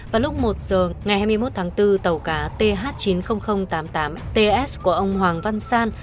vào lúc một giờ ngày hai mươi một tháng bốn tàu cá th chín mươi nghìn tám mươi tám ts của ông hoàng văn san